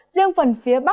riêng phần phía bắc